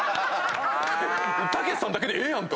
⁉たけしさんだけでええやんと。